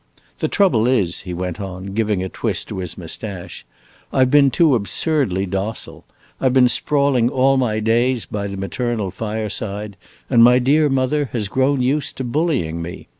The trouble is," he went on, giving a twist to his moustache, "I 've been too absurdly docile. I 've been sprawling all my days by the maternal fireside, and my dear mother has grown used to bullying me.